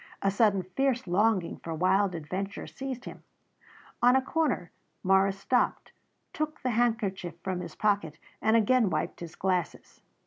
A sudden fierce longing for wild adventure seized him. On a corner Morris stopped, took the handkerchief from his pocket and again wiped his glasses.